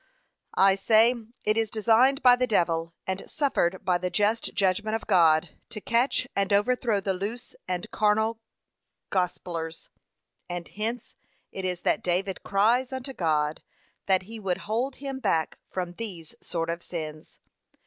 I say, it is designed by the devil, and suffered by the just judgment of God, to catch and overthrow the loose and carnal gospellers. And hence it is that David cries unto God, that he would hold him back from these sort of sins.